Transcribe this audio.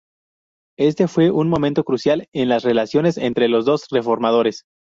Este fue un momento crucial en las relaciones entre los dos reformadores.